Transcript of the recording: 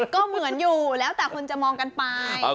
ก็เหมือนอยู่แล้วแต่คนจะมองกันไป